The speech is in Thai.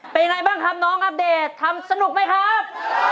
เป็นไงบ้างครับน้องอัปเดตทำสนุกไหมครับ